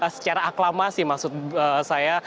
secara aklamasi maksud saya